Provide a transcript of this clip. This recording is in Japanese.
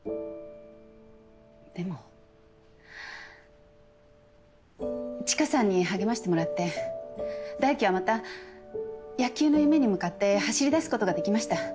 でも知花さんに励ましてもらって大貴はまた野球の夢に向かって走りだすことができました。